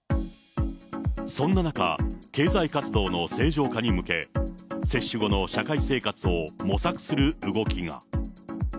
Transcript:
そんな中、経済活動の正常化に向け、接種後の社会生活を模索する動きが。